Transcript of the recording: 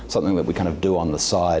seperti membuat kapal atau membuat mobil